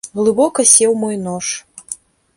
Глыбока сеў мой нож.